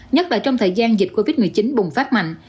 nhất là trong thời gian dịch covid một mươi chín bùng phát mạnh